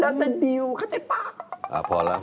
แล้วมันดิวเข้าใจปะ